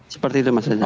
seperti itu mas reza